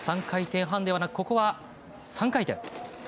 ３回転半ではなくここは、３回転。